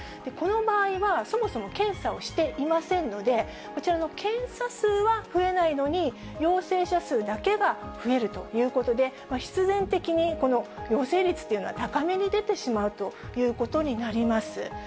この場合は、そもそも検査をしていませんので、こちらの検査数は増えないのに、陽性者数だけが増えるということで、必然的にこの陽性率というのは、高めに出てしまうということになります。